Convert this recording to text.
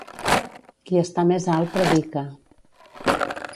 Qui està més alt, predica.